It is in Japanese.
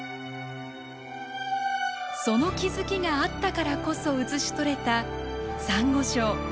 その気付きがあったからこそ写し取れたサンゴ礁。